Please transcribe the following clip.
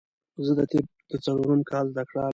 زه د طب د څلورم کال زده کړيال يم